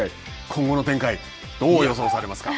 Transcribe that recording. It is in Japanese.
今後の展開、どう予想されますか。